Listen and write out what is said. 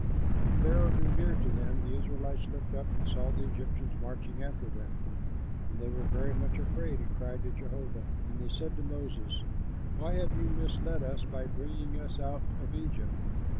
When Pharaoh drew near to them the Israelites looked up and saw the Egyptians marching after them; and they were very much afraid and cried to Jehovah. And they said to Moses, "Why have you misled us by bringing us out of Egypt?